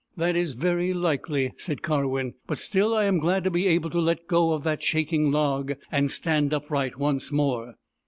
" That is very likely," said Karwin. " But still I am glad to be able to let go of that shaking log and stand upright once more."